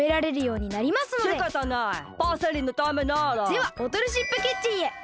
ではボトルシップキッチンへ。